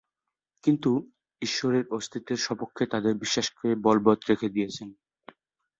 কিন্তু ঈশ্বরের অস্তিত্বের স্বপক্ষে তাদের বিশ্বাসকে বলবৎ রেখে দিয়েছেন।